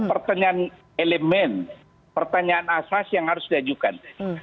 pertanyaan elemen pertanyaan asas yang harus diajukan